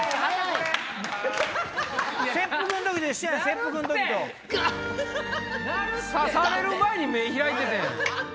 刺される前に目開いてたやん。